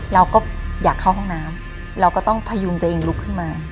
เราก็อยากเข้าห้องน้ำเราก็ต้องพยุงตัวเองลุกขึ้นมา